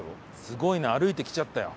すごいな歩いてきちゃったよ。